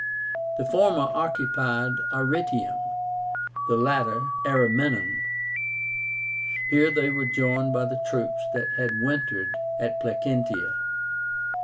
The former occupied Arretium, the latter Ariminum. Here they were joined by the troops that had wintered at Placentia.